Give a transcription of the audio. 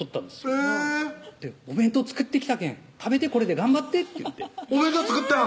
えぇ「お弁当作ってきたけん食べてこれで頑張って」って言ってお弁当作ったん？